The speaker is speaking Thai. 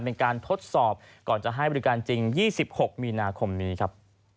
เป็นการทดสอบก่อนจะให้บริการจริง๒๖มีนาคมนี้ครับ